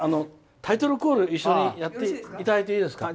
タイトルコールを一緒にやっていただいていいですか。